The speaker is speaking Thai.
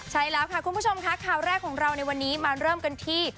ใช่แล้วค่ะคุณผู้ชมค่ะข่าวแรกของเราในวันนี้มาเริ่มกันที่